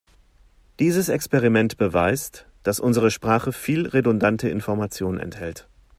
Dieses Experiment beweist, dass unsere Sprache viel redundante Information enthält.